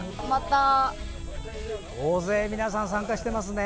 大勢皆さん参加していますね。